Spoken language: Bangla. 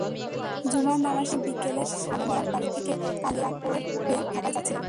জুমার নামাজ শেষে তিনি বিকেলে সালনার বাড়ি থেকে কালিয়াকৈর হয়ে ঢাকায় যাচ্ছিলেন।